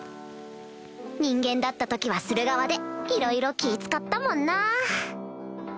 人間だった時はする側でいろいろ気ぃ使ったもんな